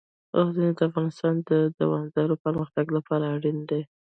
غزني د افغانستان د دوامداره پرمختګ لپاره اړین دي.